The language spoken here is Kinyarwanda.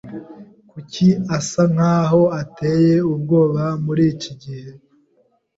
Kuki asa nkaho ateye ubwoba muri iki gihe?